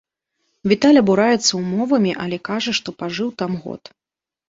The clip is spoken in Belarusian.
Віталь абураецца ўмовамі, але кажа, што пажыў там год!